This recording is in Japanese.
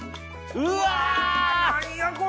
うわ何やこれ！